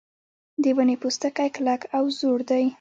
د ونې پوستکی کلک او زوړ دی.